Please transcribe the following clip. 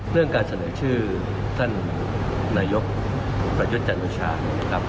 เรื่องการเสนอชื่อท่านนายกประยุทธ์จันโอชานะครับ